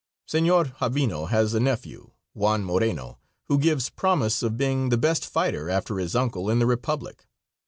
Senor Javino has a nephew, Juan Moreno, who gives promise of being the best fighter, after his uncle, in the Republic.